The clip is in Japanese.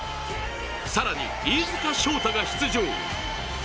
更に飯塚翔太が出場。